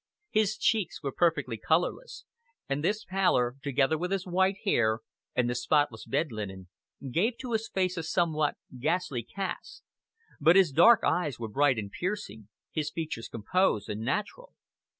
His cheeks were perfectly colorless, and this pallor, together with his white hair, and the spotless bed linen, gave to his face a somewhat ghastly cast, but his dark eyes were bright and piercing, his features composed and natural.